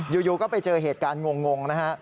อยู่ก็ไปเจอเหตุการณ์งงนะฮะ